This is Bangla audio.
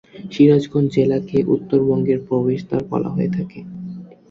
সিরাজগঞ্জ জেলাকে উত্তরবঙ্গের প্রবেশদ্বার বলা হয়ে থাকে।